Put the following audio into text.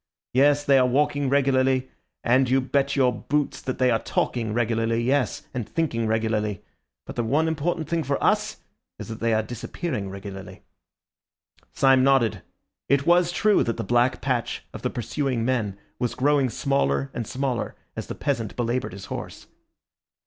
Yes, they are walking regularly; and you bet your boots that they are talking regularly, yes, and thinking regularly. But the one important thing for us is that they are disappearing regularly." Syme nodded. It was true that the black patch of the pursuing men was growing smaller and smaller as the peasant belaboured his horse.